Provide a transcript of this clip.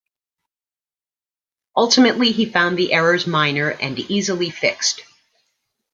Ultimately he found the errors minor, and easily fixed.